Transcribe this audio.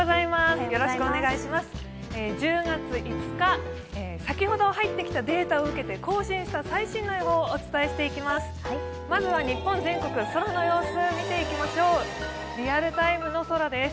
１０月５日、先ほど入ってきたデータを受けて更新した最新の予報をお伝えしていきます。